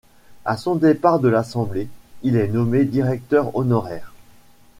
À son départ de l'Assemblée, il est nommé directeur honoraire.